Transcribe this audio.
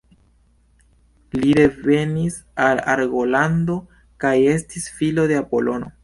Li devenis el Argolando kaj estis filo de Apolono.